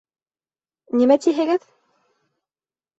Нимә тиһегеҙ?